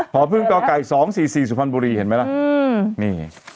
ห่อพึ่งกไก่สองสี่สี่สุพรรณบุรีเห็นไหมละ